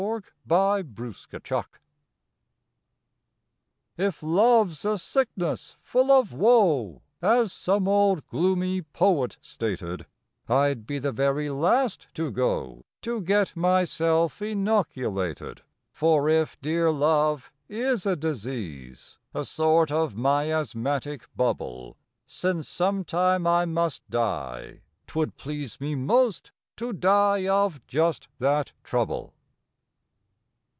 June Sixth A GOOD END IF "Love s a sickness full of woe," As some old gloomy poet stated I d be the very last to go To get myself inoculated; For if dear Love is a disease, A sort of miasmatic bubble, Since sometime I must die, twould please Me most to die of just that trouble.